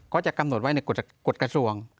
ก็จะกำหนดไว้ในกฎกระทรวง